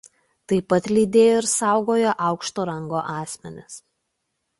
Taip pat lydėjo ir saugojo aukšto rango asmenis.